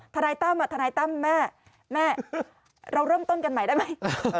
ทนายตั้มทนายตั้มแม่แม่เราเริ่มต้นกันใหม่ได้ไหม